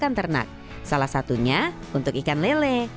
bagi pakan ternak salah satunya untuk ikan lele